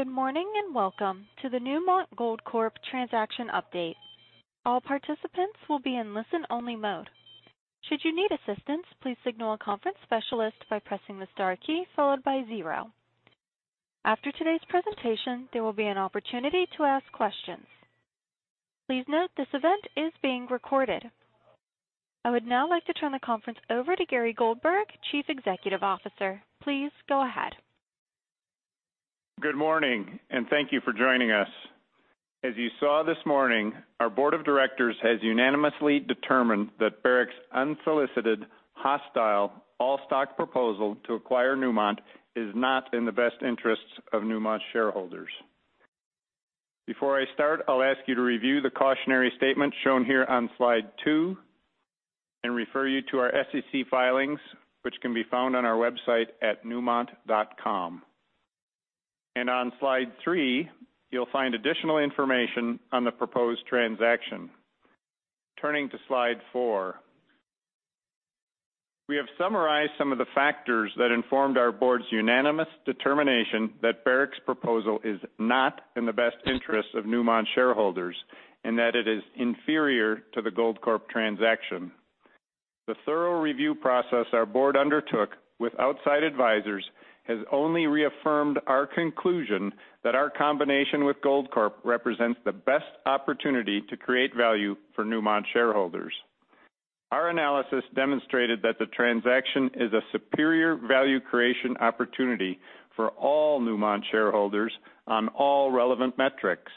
Good morning, welcome to the Newmont Goldcorp transaction update. All participants will be in listen-only mode. Should you need assistance, please signal a conference specialist by pressing the star key followed by zero. After today's presentation, there will be an opportunity to ask questions. Please note this event is being recorded. I would now like to turn the conference over to Gary Goldberg, Chief Executive Officer. Please go ahead. Good morning, thank you for joining us. As you saw this morning, our board of directors has unanimously determined that Barrick's unsolicited, hostile, all-stock proposal to acquire Newmont is not in the best interests of Newmont shareholders. Before I start, I'll ask you to review the cautionary statement shown here on slide two and refer you to our SEC filings, which can be found on our website at newmont.com. On slide three, you'll find additional information on the proposed transaction. Turning to slide four. We have summarized some of the factors that informed our board's unanimous determination that Barrick's proposal is not in the best interest of Newmont shareholders and that it is inferior to the Goldcorp transaction. The thorough review process our board undertook with outside advisors has only reaffirmed our conclusion that our combination with Goldcorp represents the best opportunity to create value for Newmont shareholders. Our analysis demonstrated that the transaction is a superior value creation opportunity for all Newmont shareholders on all relevant metrics,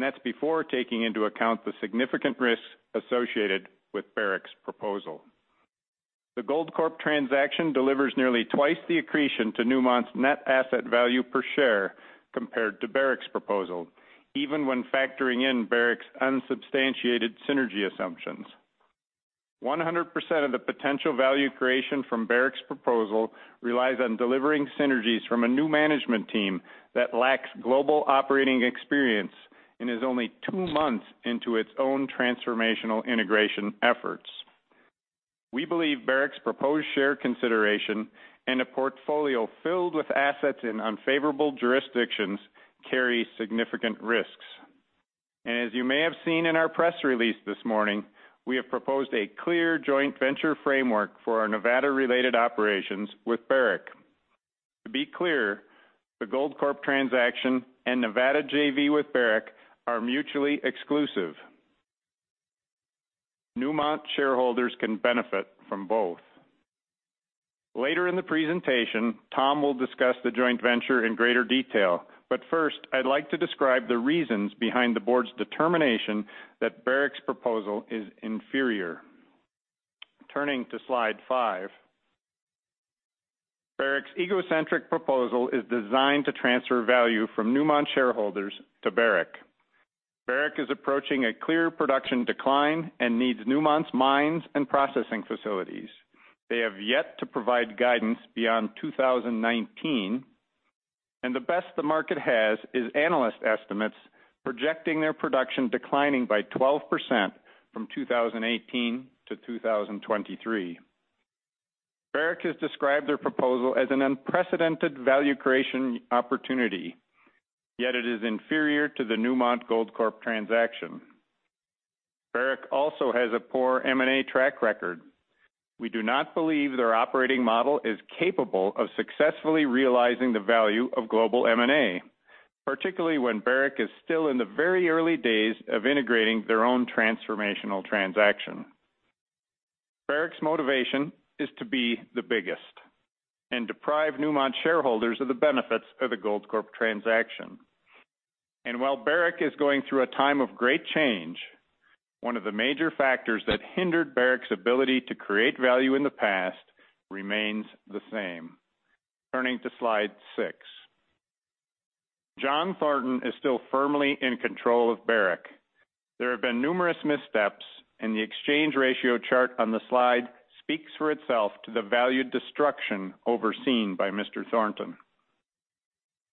that's before taking into account the significant risks associated with Barrick's proposal. The Goldcorp transaction delivers nearly twice the accretion to Newmont's net asset value per share compared to Barrick's proposal, even when factoring in Barrick's unsubstantiated synergy assumptions. 100% of the potential value creation from Barrick's proposal relies on delivering synergies from a new management team that lacks global operating experience and is only two months into its own transformational integration efforts. We believe Barrick's proposed share consideration and a portfolio filled with assets in unfavorable jurisdictions carries significant risks. As you may have seen in our press release this morning, we have proposed a clear joint venture framework for our Nevada-related operations with Barrick. To be clear, the Goldcorp transaction and Nevada JV with Barrick are mutually exclusive. Newmont shareholders can benefit from both. Later in the presentation, Tom will discuss the joint venture in greater detail, first, I'd like to describe the reasons behind the board's determination that Barrick's proposal is inferior. Turning to slide five. Barrick's egocentric proposal is designed to transfer value from Newmont shareholders to Barrick. Barrick is approaching a clear production decline and needs Newmont's mines and processing facilities. They have yet to provide guidance beyond 2019, the best the market has is analyst estimates projecting their production declining by 12% from 2018-2023. Barrick has described their proposal as an unprecedented value creation opportunity, yet it is inferior to the Newmont Goldcorp transaction. Barrick also has a poor M&A track record. We do not believe their operating model is capable of successfully realizing the value of global M&A, particularly when Barrick is still in the very early days of integrating their own transformational transaction. Barrick's motivation is to be the biggest and deprive Newmont shareholders of the benefits of the Goldcorp transaction. While Barrick is going through a time of great change, one of the major factors that hindered Barrick's ability to create value in the past remains the same. Turning to slide six. John Thornton is still firmly in control of Barrick. There have been numerous missteps, and the exchange ratio chart on the slide speaks for itself to the value destruction overseen by Mr. Thornton.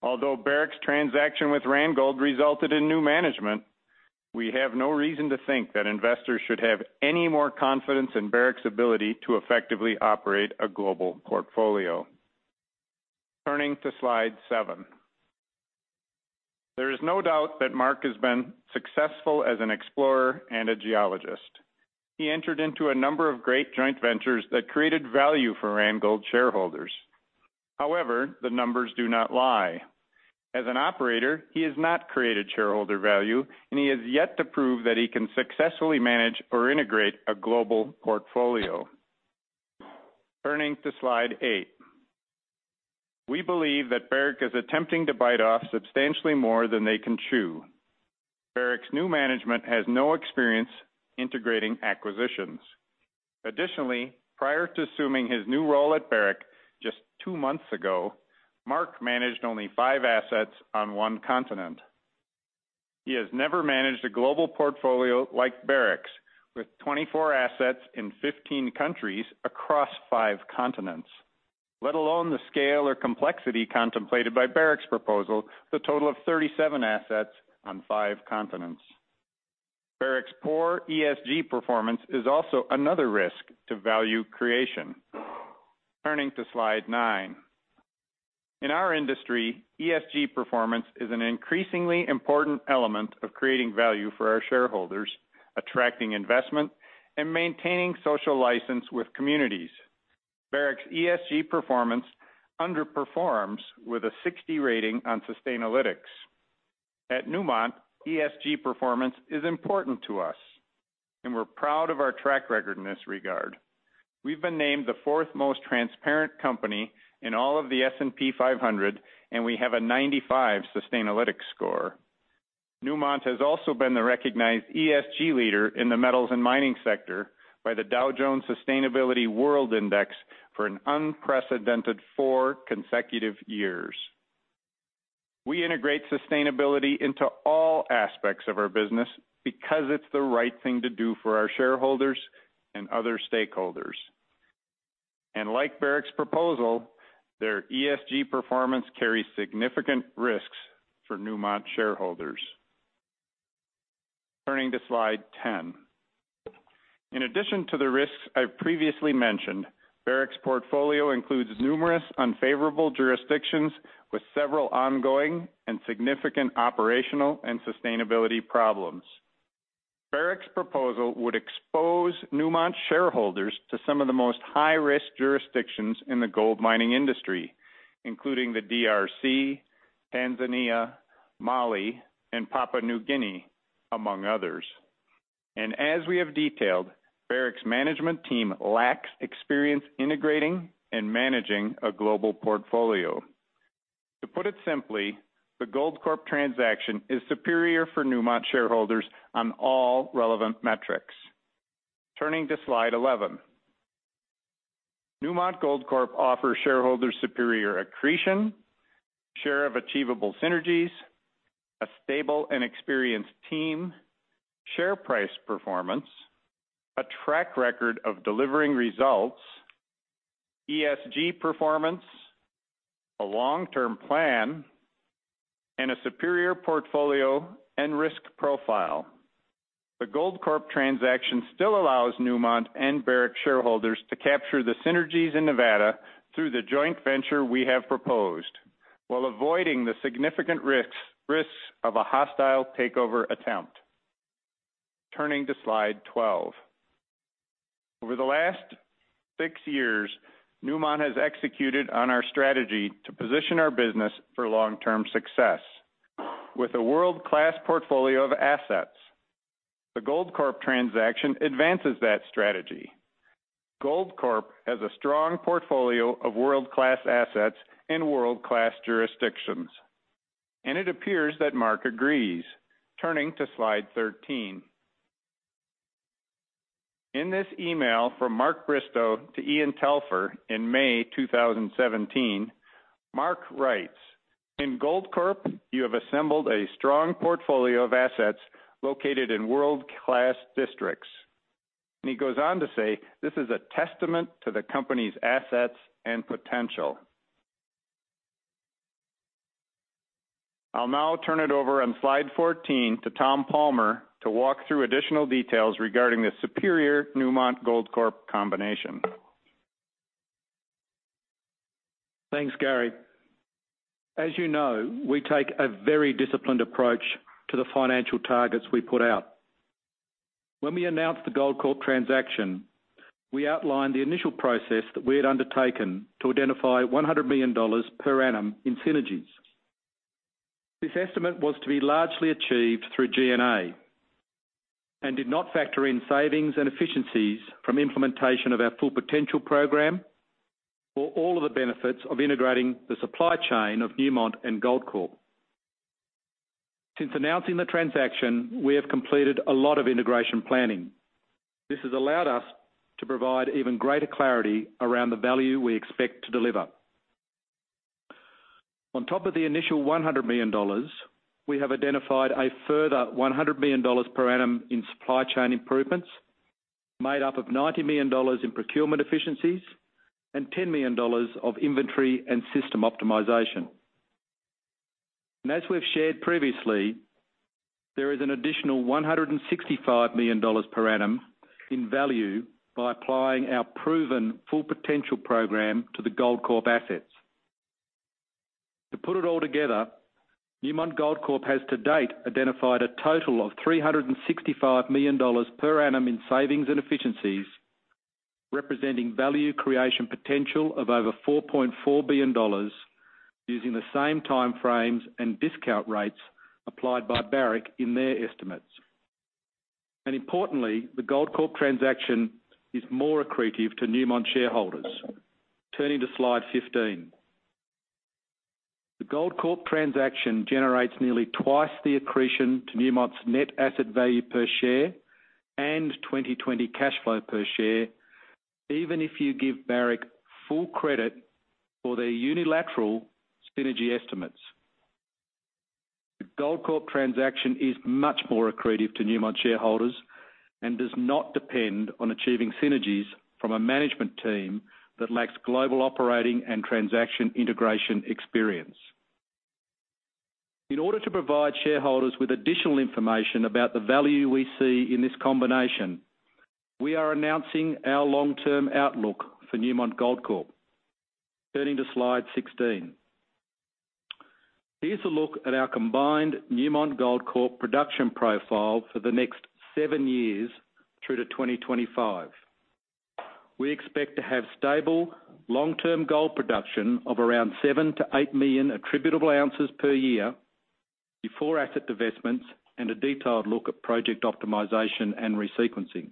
Although Barrick's transaction with Randgold resulted in new management, we have no reason to think that investors should have any more confidence in Barrick's ability to effectively operate a global portfolio. Turning to slide seven. There is no doubt that Mark has been successful as an explorer and a geologist. He entered into a number of great joint ventures that created value for Randgold shareholders. However, the numbers do not lie. As an operator, he has not created shareholder value, and he has yet to prove that he can successfully manage or integrate a global portfolio. Turning to slide eight. We believe that Barrick is attempting to bite off substantially more than they can chew. Barrick's new management has no experience integrating acquisitions. Additionally, prior to assuming his new role at Barrick just two months ago, Mark managed only five assets on one continent. He has never managed a global portfolio like Barrick's, with 24 assets in 15 countries across five continents, let alone the scale or complexity contemplated by Barrick's proposal, the total of 37 assets on five continents. Barrick's poor ESG performance is also another risk to value creation. Turning to slide nine. In our industry, ESG performance is an increasingly important element of creating value for our shareholders, attracting investment, and maintaining social license with communities. Barrick's ESG performance underperforms with a 60 rating on Sustainalytics. At Newmont, ESG performance is important to us, and we're proud of our track record in this regard. We've been named the fourth most transparent company in all of the S&P 500, and we have a 95 Sustainalytics score. Newmont has also been the recognized ESG leader in the metals and mining sector by the Dow Jones Sustainability World Index for an unprecedented four consecutive years. We integrate sustainability into all aspects of our business because it's the right thing to do for our shareholders and other stakeholders. Like Barrick's proposal, their ESG performance carries significant risks for Newmont shareholders. Turning to slide 10. In addition to the risks I've previously mentioned, Barrick's portfolio includes numerous unfavorable jurisdictions with several ongoing and significant operational and sustainability problems. Barrick's proposal would expose Newmont shareholders to some of the most high-risk jurisdictions in the gold mining industry, including the DRC, Tanzania, Mali, and Papua New Guinea, among others. As we have detailed, Barrick's management team lacks experience integrating and managing a global portfolio. To put it simply, the Goldcorp transaction is superior for Newmont shareholders on all relevant metrics. Turning to slide 11. Newmont Goldcorp offers shareholders superior accretion, share of achievable synergies, a stable and experienced team, share price performance, a track record of delivering results, ESG performance, a long-term plan, and a superior portfolio and risk profile. The Goldcorp transaction still allows Newmont and Barrick shareholders to capture the synergies in Nevada through the joint venture we have proposed, while avoiding the significant risks of a hostile takeover attempt. Turning to slide 12. Over the last six years, Newmont has executed on our strategy to position our business for long-term success with a world-class portfolio of assets. The Goldcorp transaction advances that strategy. Goldcorp has a strong portfolio of world-class assets in world-class jurisdictions, and it appears that Mark agrees. Turning to slide 13. In this email from Mark Bristow to Ian Telfer in May 2017, Mark writes, "In Goldcorp, you have assembled a strong portfolio of assets located in world-class districts." He goes on to say, "This is a testament to the company's assets and potential." I'll now turn it over on slide 14 to Tom Palmer to walk through additional details regarding the superior Newmont Goldcorp combination. Thanks, Gary. As you know, we take a very disciplined approach to the financial targets we put out. When we announced the Goldcorp transaction, we outlined the initial process that we had undertaken to identify $100 million per annum in synergies. This estimate was to be largely achieved through G&A and did not factor in savings and efficiencies from implementation of our Full Potential program or all of the benefits of integrating the supply chain of Newmont and Goldcorp. Since announcing the transaction, we have completed a lot of integration planning. This has allowed us to provide even greater clarity around the value we expect to deliver. On top of the initial $100 million, we have identified a further $100 million per annum in supply chain improvements, made up of $90 million in procurement efficiencies and $10 million of inventory and system optimization. As we've shared previously, there is an additional $165 million per annum in value by applying our proven Full Potential program to the Goldcorp assets. To put it all together, Newmont Goldcorp has to date identified a total of $365 million per annum in savings and efficiencies, representing value creation potential of over $4.4 billion, using the same time frames and discount rates applied by Barrick in their estimates. Importantly, the Goldcorp transaction is more accretive to Newmont shareholders. Turning to slide 15. The Goldcorp transaction generates nearly twice the accretion to Newmont's net asset value per share and 2020 cash flow per share, even if you give Barrick full credit for their unilateral synergy estimates. The Goldcorp transaction is much more accretive to Newmont shareholders and does not depend on achieving synergies from a management team that lacks global operating and transaction integration experience. In order to provide shareholders with additional information about the value we see in this combination, we are announcing our long-term outlook for Newmont Goldcorp. Turning to Slide 16. Here's a look at our combined Newmont Goldcorp production profile for the next seven years through to 2025. We expect to have stable long-term gold production of around 7 million-8 million attributable ounces per year before asset divestments and a detailed look at project optimization and resequencing.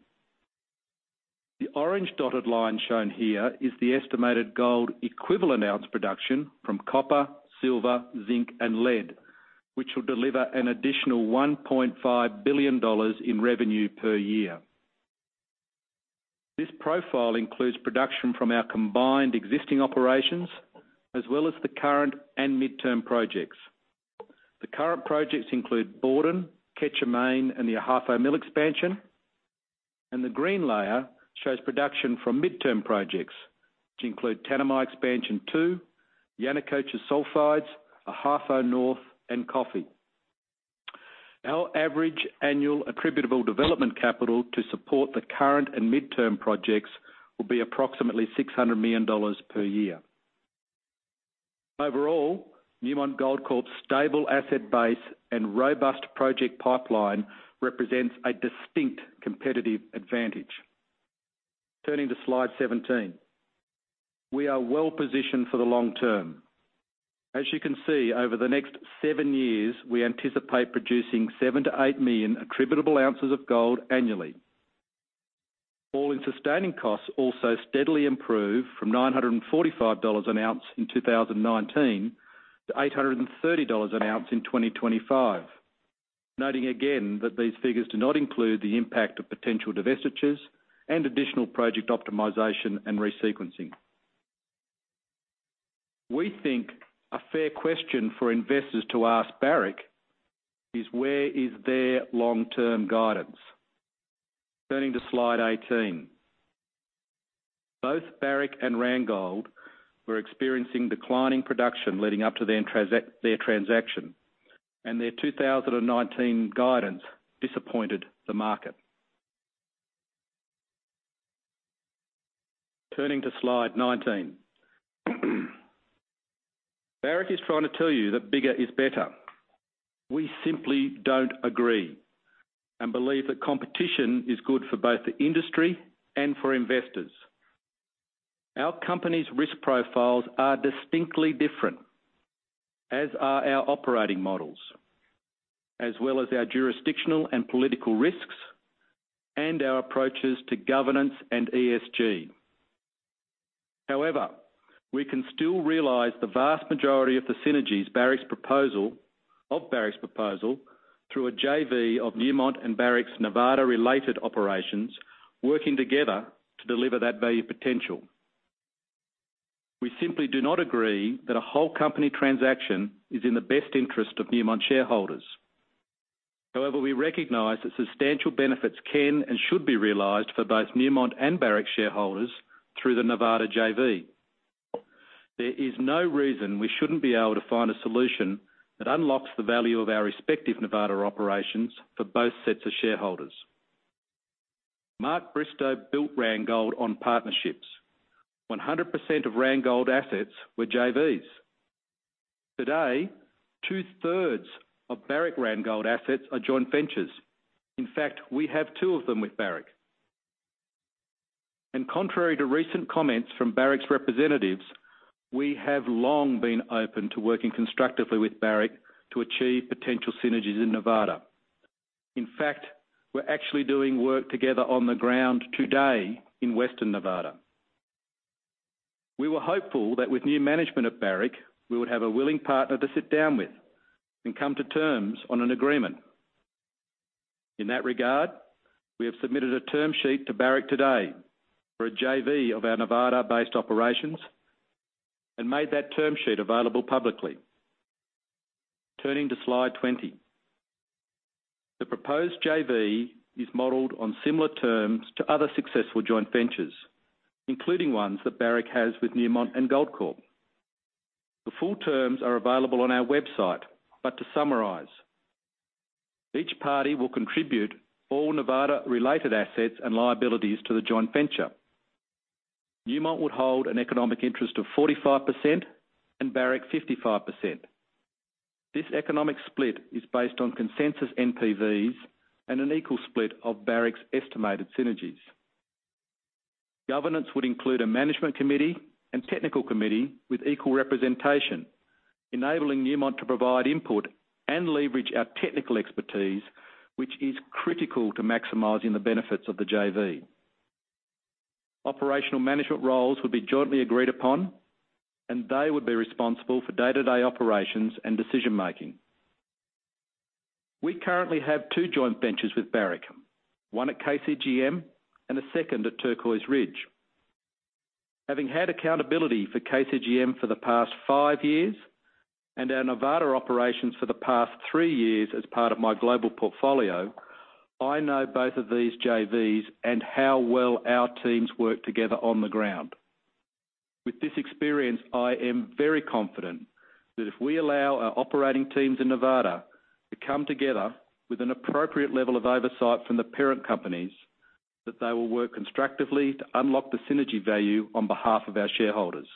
The orange dotted line shown here is the estimated gold equivalent ounce production from copper, silver, zinc, and lead, which will deliver an additional $1.5 billion in revenue per year. This profile includes production from our combined existing operations as well as the current and midterm projects. The current projects include Borden, Quecher Main, and the Ahafo Mill expansion, and the green layer shows production from midterm projects, which include Tanami Expansion 2, Yanacocha Sulfides, Ahafo North, and Coffee. Our average annual attributable development capital to support the current and midterm projects will be approximately $600 million per year. Overall, Newmont Goldcorp's stable asset base and robust project pipeline represents a distinct competitive advantage. Turning to slide 17. We are well-positioned for the long term. As you can see, over the next seven years, we anticipate producing 7 million-8 million attributable ounces of gold annually. All-in Sustaining Costs also steadily improve from $945 an ounce in 2019 to $830 an ounce in 2025. Noting again that these figures do not include the impact of potential divestitures and additional project optimization and resequencing. We think a fair question for investors to ask Barrick is where is their long-term guidance? Turning to slide 18. Both Barrick and Randgold were experiencing declining production leading up to their transaction, and their 2019 guidance disappointed the market. Turning to slide 19. Barrick is trying to tell you that bigger is better. We simply don't agree and believe that competition is good for both the industry and for investors. Our company's risk profiles are distinctly different, as are our operating models, as well as our jurisdictional and political risks and our approaches to governance and ESG. However, we can still realize the vast majority of the synergies of Barrick's proposal through a JV of Newmont and Barrick's Nevada-related operations working together to deliver that value potential. We simply do not agree that a whole company transaction is in the best interest of Newmont shareholders. However, we recognize that substantial benefits can and should be realized for both Newmont and Barrick shareholders through the Nevada JV. There is no reason we shouldn't be able to find a solution that unlocks the value of our respective Nevada operations for both sets of shareholders. Mark Bristow built Randgold on partnerships. 100% of Randgold assets were JVs. Today, 2/3 of Barrick Gold assets are joint ventures. In fact, we have two of them with Barrick. Contrary to recent comments from Barrick's representatives, we have long been open to working constructively with Barrick to achieve potential synergies in Nevada. In fact, we're actually doing work together on the ground today in western Nevada. We were hopeful that with new management at Barrick, we would have a willing partner to sit down with and come to terms on an agreement. In that regard, we have submitted a term sheet to Barrick today for a JV of our Nevada-based operations and made that term sheet available publicly. Turning to slide 20. The proposed JV is modeled on similar terms to other successful joint ventures, including ones that Barrick has with Newmont and Goldcorp. The full terms are available on our website, but to summarize, each party will contribute all Nevada-related assets and liabilities to the joint venture. Newmont would hold an economic interest of 45% and Barrick 55%. This economic split is based on consensus NPVs and an equal split of Barrick's estimated synergies. Governance would include a management committee and technical committee with equal representation, enabling Newmont to provide input and leverage our technical expertise, which is critical to maximizing the benefits of the JV. Operational management roles would be jointly agreed upon, and they would be responsible for day-to-day operations and decision-making. We currently have two joint ventures with Barrick, one at KCGM and a second at Turquoise Ridge. Having had accountability for KCGM for the past five years and our Nevada operations for the past three years as part of my global portfolio, I know both of these JVs and how well our teams work together on the ground. With this experience, I am very confident that if we allow our operating teams in Nevada to come together with an appropriate level of oversight from the parent companies, that they will work constructively to unlock the synergy value on behalf of our shareholders.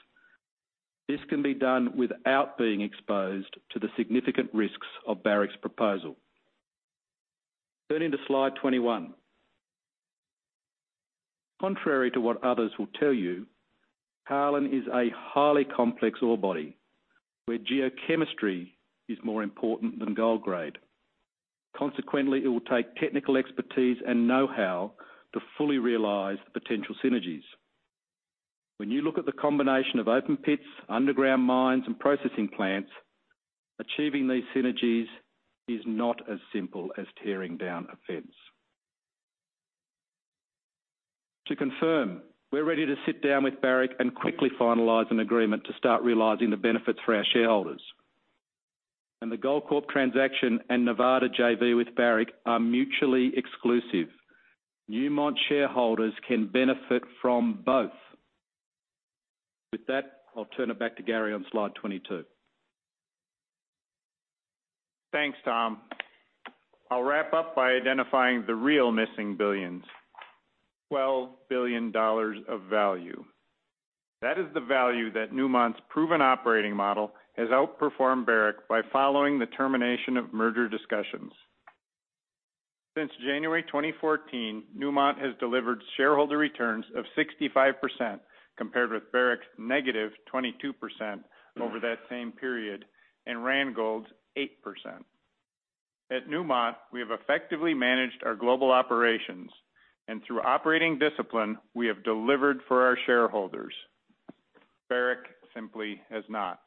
This can be done without being exposed to the significant risks of Barrick's proposal. Turning to slide 21. Contrary to what others will tell you, Carlin is a highly complex ore body, where geochemistry is more important than gold grade. Consequently, it will take technical expertise and know-how to fully realize the potential synergies. When you look at the combination of open pits, underground mines, and processing plants, achieving these synergies is not as simple as tearing down a fence. To confirm, we're ready to sit down with Barrick and quickly finalize an agreement to start realizing the benefits for our shareholders. The Goldcorp transaction and Nevada JV with Barrick are mutually exclusive. Newmont shareholders can benefit from both. With that, I'll turn it back to Gary on slide 22. Thanks, Tom. I'll wrap up by identifying the real missing billions, $12 billion of value. That is the value that Newmont's proven operating model has outperformed Barrick by following the termination of merger discussions. Since January 2014, Newmont has delivered shareholder returns of 65%, compared with Barrick's negative 22% over that same period and Randgold's 8%. At Newmont, we have effectively managed our global operations, and through operating discipline, we have delivered for our shareholders. Barrick simply has not.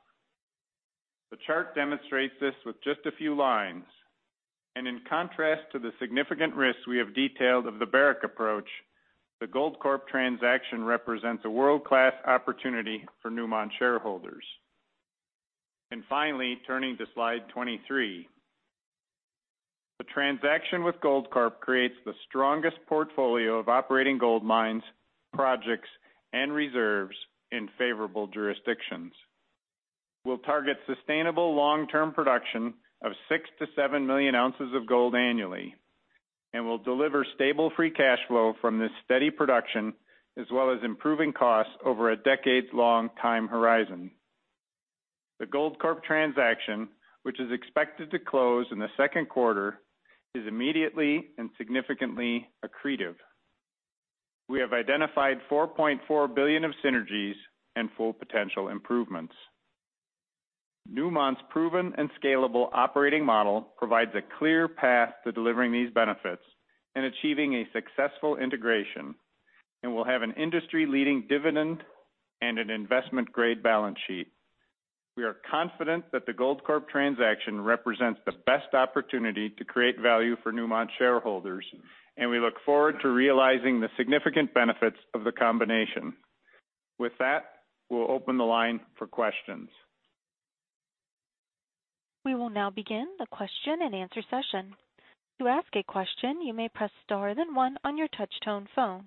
The chart demonstrates this with just a few lines. In contrast to the significant risks we have detailed of the Barrick approach, the Goldcorp transaction represents a world-class opportunity for Newmont shareholders. Finally, turning to slide 23. The transaction with Goldcorp creates the strongest portfolio of operating gold mines, projects, and reserves in favorable jurisdictions, will target sustainable long-term production of 6 million-7 million ounces of gold annually and will deliver stable free cash flow from this steady production, as well as improving costs over a decades-long time horizon. The Goldcorp transaction, which is expected to close in the second quarter, is immediately and significantly accretive. We have identified $4.4 billion of synergies and Full Potential improvements. Newmont's proven and scalable operating model provides a clear path to delivering these benefits and achieving a successful integration and will have an industry-leading dividend and an investment-grade balance sheet. We are confident that the Goldcorp transaction represents the best opportunity to create value for Newmont shareholders, and we look forward to realizing the significant benefits of the combination. With that, we'll open the line for questions. We will now begin the question and answer session. To ask a question, you may press star then one on your touch tone phone.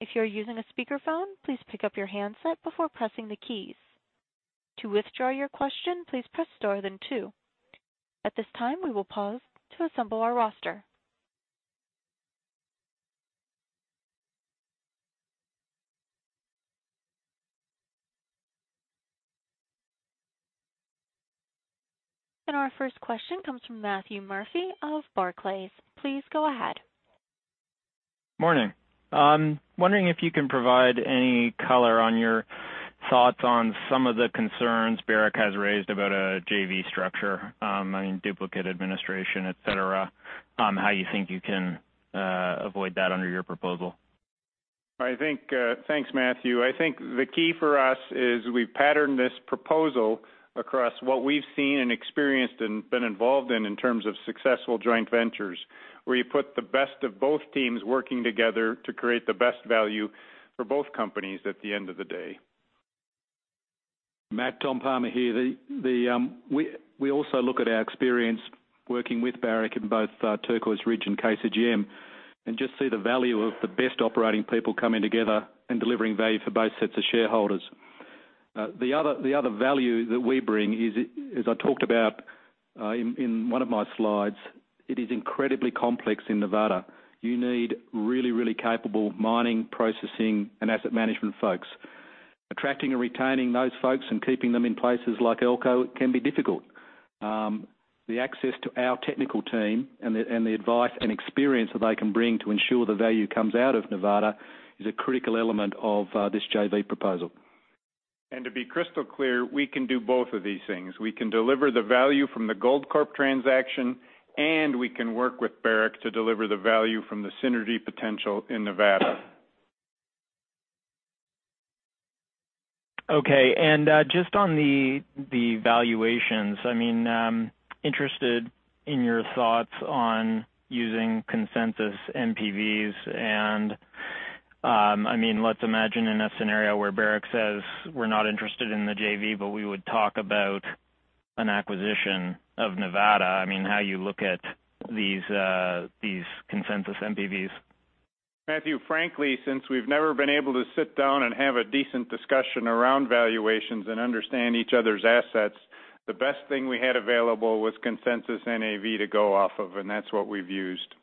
If you're using a speakerphone, please pick up your handset before pressing the keys. To withdraw your question, please press star then two. At this time, we will pause to assemble our roster. Our first question comes from Matthew Murphy of Barclays. Please go ahead. Morning. I am wondering if you can provide any color on your thoughts on some of the concerns Barrick has raised about a JV structure, I mean, duplicate administration, et cetera, on how you think you can avoid that under your proposal. Thanks, Matthew. I think the key for us is we've patterned this proposal across what we've seen and experienced and been involved in terms of successful joint ventures, where you put the best of both teams working together to create the best value for both companies at the end of the day. Matt, Tom Palmer here. We also look at our experience working with Barrick in both Turquoise Ridge and KCGM and just see the value of the best operating people coming together and delivering value for both sets of shareholders. The other value that we bring is, as I talked about in one of my slides, it is incredibly complex in Nevada. You need really, really capable mining, processing, and asset management folks. Attracting and retaining those folks and keeping them in places like Elko can be difficult. The access to our technical team and the advice and experience that they can bring to ensure the value comes out of Nevada is a critical element of this JV proposal. To be crystal clear, we can do both of these things. We can deliver the value from the Goldcorp transaction, and we can work with Barrick to deliver the value from the synergy potential in Nevada. Okay. Just on the valuations, I'm interested in your thoughts on using consensus NPVs and, let's imagine in a scenario where Barrick says, "We're not interested in the JV, but we would talk about an acquisition of Nevada." How you look at these consensus NPVs? Matthew, frankly, since we've never been able to sit down and have a decent discussion around valuations and understand each other's assets, the best thing we had available was consensus NAV to go off of, and that's what we've used.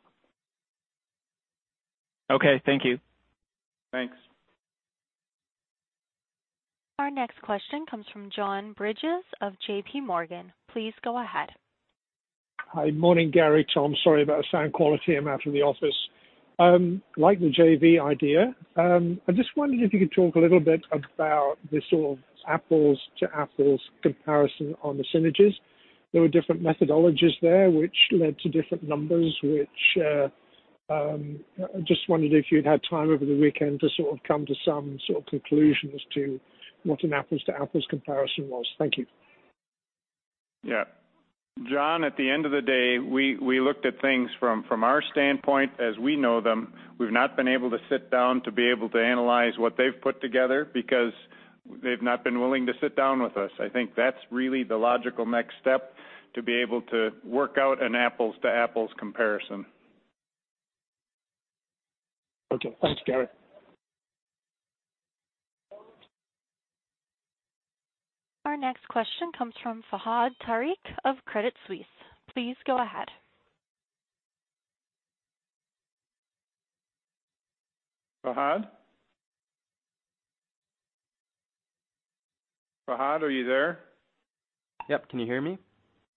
Okay, thank you. Thanks. Our next question comes from John Bridges of JPMorgan. Please go ahead. Hi. Morning, Gary, Tom. Sorry about sound quality, I'm out of the office. Like the JV idea. I just wondered if you could talk a little bit about the sort of apples-to-apples comparison on the synergies. There were different methodologies there which led to different numbers, which I just wondered if you'd had time over the weekend to sort of come to some sort of conclusion as to what an apples-to-apples comparison was. Thank you. Yeah. John, at the end of the day, we looked at things from our standpoint as we know them. We've not been able to sit down to be able to analyze what they've put together because they've not been willing to sit down with us. I think that's really the logical next step to be able to work out an apples-to-apples comparison. Okay. Thanks, Gary. Our next question comes from Fahad Tariq of Credit Suisse. Please go ahead. Fahad? Fahad, are you there? Yep. Can you hear me?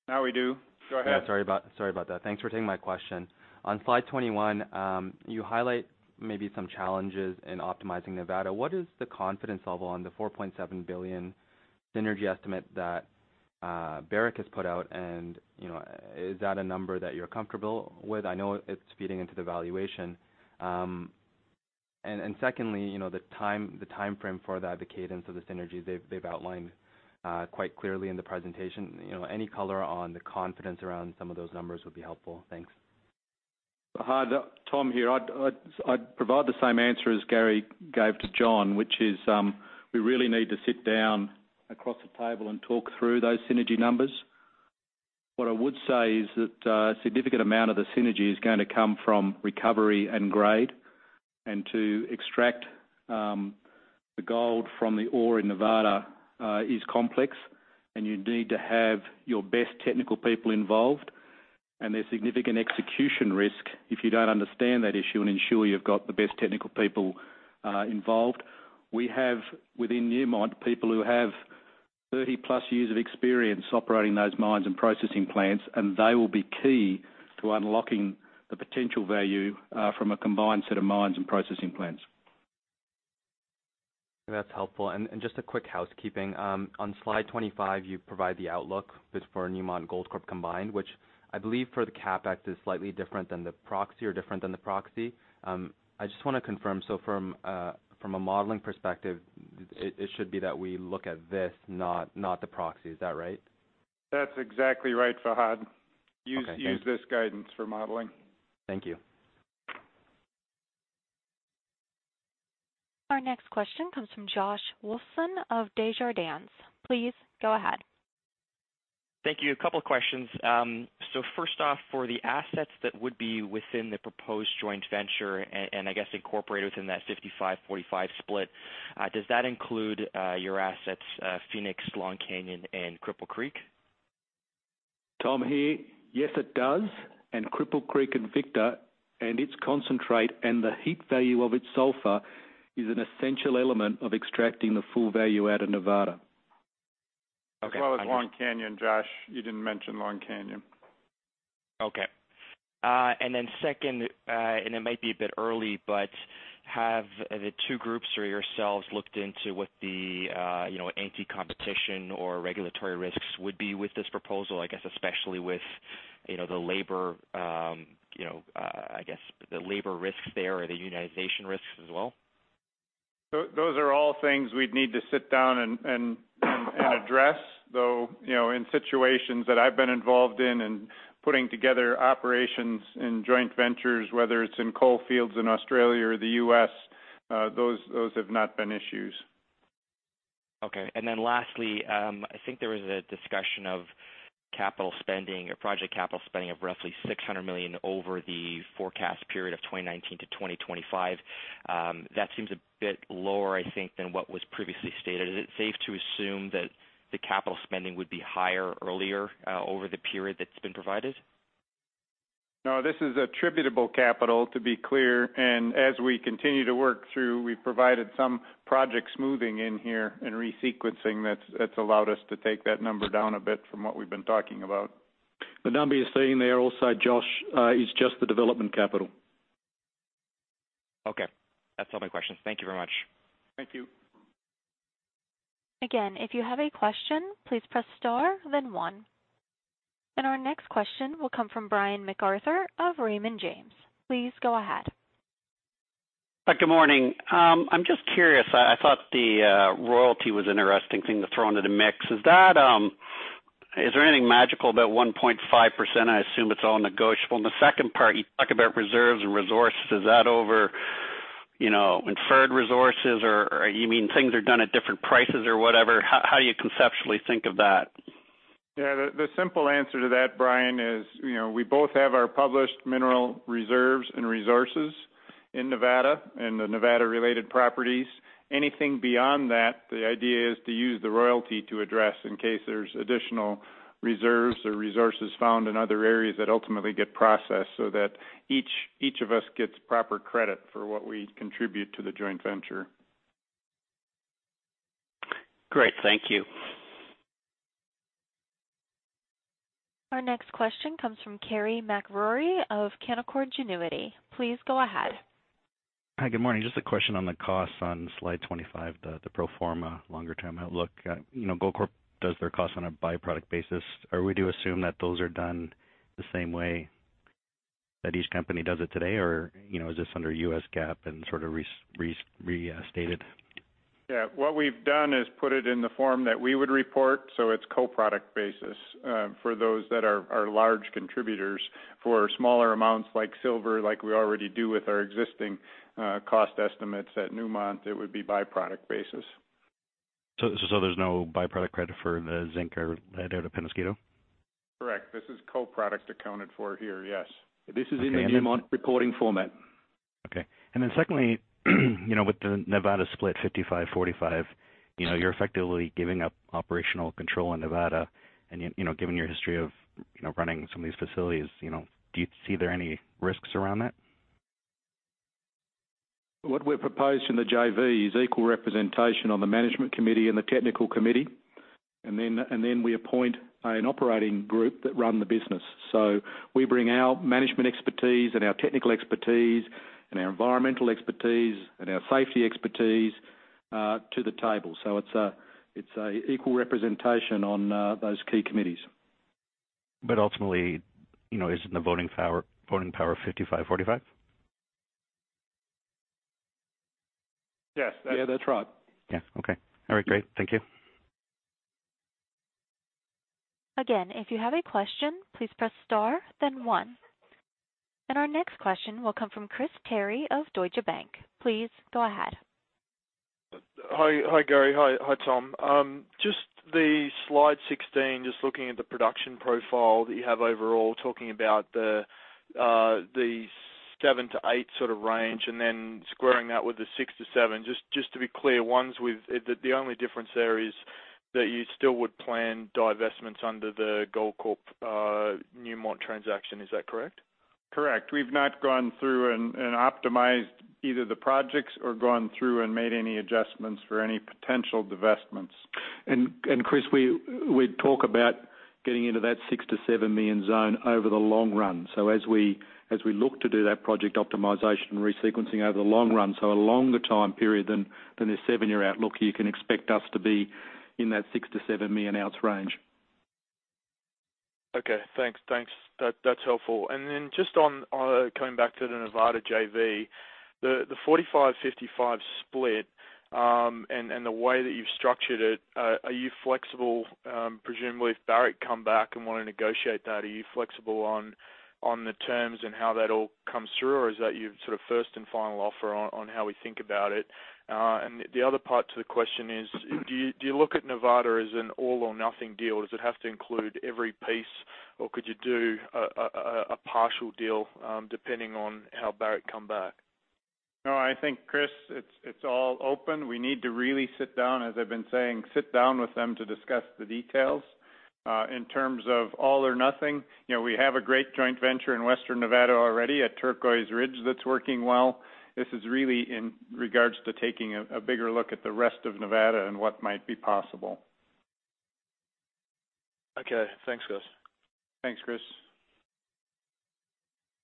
Now we do. Go ahead. Yeah, sorry about that. Thanks for taking my question. On slide 21, you highlight maybe some challenges in optimizing Nevada. What is the confidence level on the $4.7 billion synergy estimate that Barrick has put out? Is that a number that you're comfortable with? I know it's feeding into the valuation. Secondly, the timeframe for the cadence of the synergies they've outlined, quite clearly in the presentation. Any color on the confidence around some of those numbers would be helpful. Thanks. Fahad, Tom here. I'd provide the same answer as Gary gave to John, which is, we really need to sit down across the table and talk through those synergy numbers. What I would say is that a significant amount of the synergy is going to come from recovery and grade. To extract, the gold from the ore in Nevada is complex, and you need to have your best technical people involved. There's significant execution risk if you don't understand that issue and ensure you've got the best technical people involved. We have, within Newmont, people who have 30-plus years of experience operating those mines and processing plants, and they will be key to unlocking the potential value from a combined set of mines and processing plants. That's helpful. Just a quick housekeeping. On slide 25, you provide the outlook for Newmont and Goldcorp combined, which I believe for the CapEx is slightly different than the proxy or different than the proxy. I just want to confirm, from a modeling perspective, it should be that we look at this, not the proxy. Is that right? That's exactly right, Fahad. Okay, thanks. Use this guidance for modeling. Thank you. Our next question comes from Josh Wolfson of Desjardins. Please go ahead. Thank you. A couple of questions. First off, for the assets that would be within the proposed joint venture, and I guess incorporated within that 55/45 split, does that include your assets, Phoenix, Long Canyon and Cripple Creek? Tom here. Yes, it does. Cripple Creek and Victor and its concentrate and the heat value of its sulfur is an essential element of extracting the full value out of Nevada. Okay. As well as Long Canyon, Josh. You didn't mention Long Canyon. Second, it might be a bit early, but have the two groups or yourselves looked into what the anti-competition or regulatory risks would be with this proposal, I guess especially with the labor risks there or the unionization risks as well? Those are all things we'd need to sit down and address, though, in situations that I've been involved in putting together operations in joint ventures, whether it's in coal fields in Australia or the U.S., those have not been issues. Lastly, I think there was a discussion of capital spending or project capital spending of roughly $600 million over the forecast period of 2019 to 2025. That seems a bit lower, I think, than what was previously stated. Is it safe to assume that the capital spending would be higher earlier, over the period that's been provided? No, this is attributable capital, to be clear. As we continue to work through, we've provided some project smoothing in here and resequencing that's allowed us to take that number down a bit from what we've been talking about. The number you're seeing there also, Josh, is just the development capital. Okay. That's all my questions. Thank you very much. Thank you. Again, if you have a question, please press star, then one. Our next question will come from Brian MacArthur of Raymond James. Please go ahead. Good morning. I'm just curious, I thought the royalty was interesting thing to throw into the mix. Is there anything magical about 1.5%? I assume it's all negotiable. The second part, you talk about reserves and resources. Is that only inferred resources, or you mean things are done at different prices or whatever? How you conceptually think of that? Yeah. The simple answer to that, Brian, is we both have our published mineral reserves and resources in Nevada and the Nevada related properties. Anything beyond that, the idea is to use the royalty to address in case there's additional reserves or resources found in other areas that ultimately get processed, so that each of us gets proper credit for what we contribute to the joint venture. Great. Thank you. Our next question comes from Carey MacRury of Canaccord Genuity. Please go ahead. Hi. Good morning. Just a question on the costs on slide 25, the pro forma longer-term outlook. Goldcorp does their cost on a byproduct basis. Are we to assume that those are done the same way that each company does it today, or is this under U.S. GAAP and sort of restated? Yeah. What we've done is put it in the form that we would report, so it's co-product basis, for those that are large contributors. For smaller amounts like silver, like we already do with our existing cost estimates at Newmont, it would be byproduct basis. There's no byproduct credit for the zinc or lead out of Peñasquito? Correct. This is co-product accounted for here. Yes. This is in the Newmont reporting format. Okay. Secondly, with the Nevada split, 55/45, you're effectively giving up operational control in Nevada, and yet, given your history of running some of these facilities, do you see there any risks around that? What we've proposed in the JV is equal representation on the management committee and the technical committee. Then we appoint an operating group that run the business. We bring our management expertise and our technical expertise and our environmental expertise and our safety expertise to the table. It's a equal representation on those key committees. Ultimately, isn't the voting power 55/45? Yes. Yeah, that's right. Yeah. Okay. All right, great. Thank you. If you have a question, please press star then one. Our next question will come from Chris Terry of Deutsche Bank. Please go ahead. Hi, Gary. Hi, Tom. Just the slide 16, just looking at the production profile that you have overall, talking about the 7 million-8 million sort of range and then squaring that with the 6 million-7 million. Just to be clear, the only difference there is that you still would plan divestments under the Goldcorp Newmont transaction, is that correct? Correct. We've not gone through and optimized either the projects or gone through and made any adjustments for any potential divestments. Chris, we talk about getting into that 6 million-7 million zone over the long run. As we look to do that project optimization resequencing over the long run, so a longer time period than this seven-year outlook, you can expect us to be in that 6 million-7 million ounce range. Okay, thanks. That's helpful. Just on coming back to the Nevada JV, the 45/55 split, and the way that you've structured it, are you flexible, presumably if Barrick come back and want to negotiate that, are you flexible on the terms and how that all comes through? Or is that your sort of first and final offer on how we think about it? The other part to the question is, do you look at Nevada as an all or nothing deal? Does it have to include every piece, or could you do a partial deal, depending on how Barrick come back? No, I think, Chris, it's all open. We need to really sit down, as I've been saying, sit down with them to discuss the details. In terms of all or nothing, we have a great joint venture in Western Nevada already at Turquoise Ridge that's working well. This is really in regards to taking a bigger look at the rest of Nevada and what might be possible. Okay. Thanks, guys. Thanks, Chris.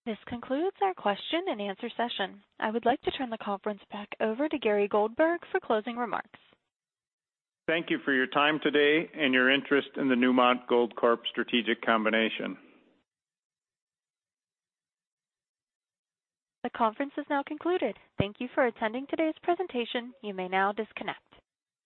This concludes our question and-answer session. I would like to turn the conference back over to Gary Goldberg for closing remarks. Thank you for your time today and your interest in the Newmont Goldcorp strategic combination. The conference is now concluded. Thank you for attending today's presentation. You may now disconnect.